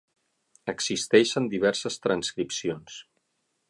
Existeixen diverses transcripcions.